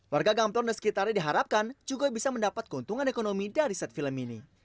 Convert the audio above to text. warga gampton dan sekitarnya diharapkan juga bisa mendapat keuntungan ekonomi dari set film ini